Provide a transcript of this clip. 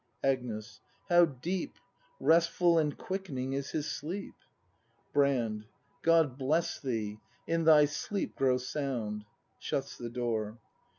Agnes. How deep, Restful and quickening is his sleep. Brand. God bless thee; in thy sleep grow sound! [SJmts the door.